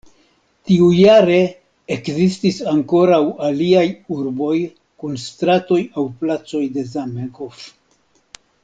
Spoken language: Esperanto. Tiujare ekzistis ankoraŭ aliaj urboj kun stratoj aŭ placoj de Zamenhof.